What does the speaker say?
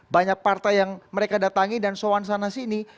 banyak partai yang mereka datangi dan soan sana sini